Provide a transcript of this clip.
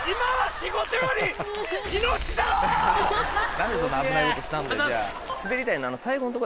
何でそんな危ないことしたんだよじゃあ。